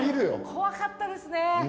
怖かったですね！